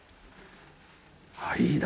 あっいいな。